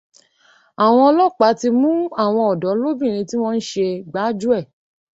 Àwọn ọlọ́pàá ti ń mú àwọn ọ̀dọ́ lóbìnrin tí wọ́n ṣe gbájúẹ̀.